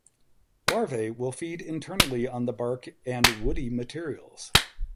Larvae will feed internally on the bark and woody materials.